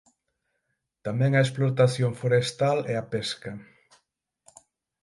Tamén a explotación forestal e a pesca.